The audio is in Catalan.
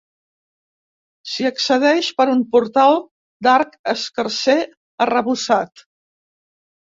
S'hi accedeix per un portal d'arc escarser arrebossat.